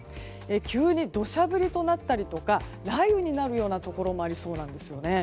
急に土砂降りになったり雷雨になるようなところがありそうなんですね。